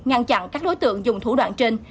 ngăn chặn các đối tượng dùng thủ đoạn trên